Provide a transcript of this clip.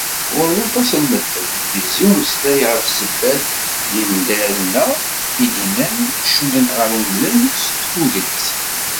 Ɣur waṭas n medden, yezzi umeslay ɣef ssebbat n yindaren-a i d-nnan cuddent ɣer umdan s tuget.